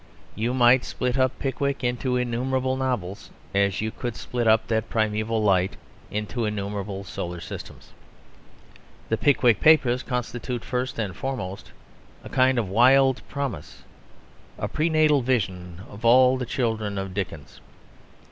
You might split up Pickwick into innumerable novels as you could split up that primeval light into innumerable solar systems. The Pickwick Papers constitute first and foremost a kind of wild promise, a pre natal vision of all the children of Dickens.